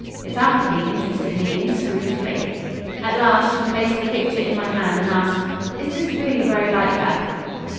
Its apathy interested me inscrutably. At last she placed the picture in my hand, and asked 'Is this really very like her?'